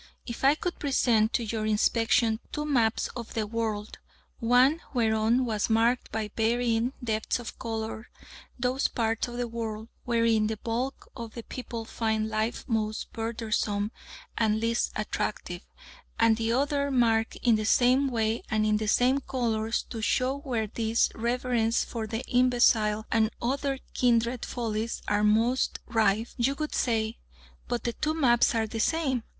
If I could present to your inspection two maps of the world, one whereon was marked by varying depths of colour those parts of the world wherein the bulk of the people find life most burthensome and least attractive, and the other marked in the same way and in the same colours to show where this reverence for the imbecile and other kindred follies are most rife, you would say, "But the two maps are the same!"